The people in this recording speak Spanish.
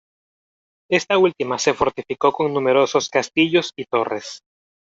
Esta última se fortificó con numerosos castillos y torres.